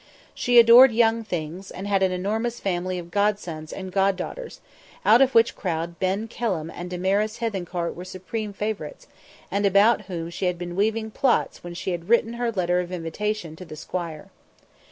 She adored young things, and had an enormous family of godsons and goddaughters, out of which crowd Ben Kelham and Damaris Hethencourt were supreme favourites, and about whom she had been weaving plots when she had written her letter of invitation to the Squire.